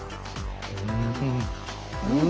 うん。